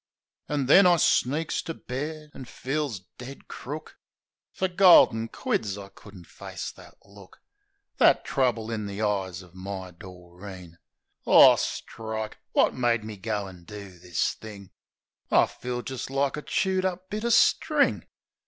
An' then, I sneaks to bed, an' feels dead crook. Fer golden quids I couldn't face that look — That trouble in the eyes uv my Doreen. Aw, strike I Wot made me go an' do this thing ? I feel jist like a chewed up bit of string.